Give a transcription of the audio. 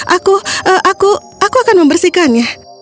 aku aku akan membersihkannya